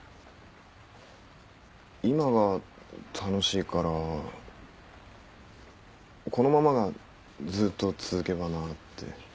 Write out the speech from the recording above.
今が楽しいからこのままがずっと続けばなって。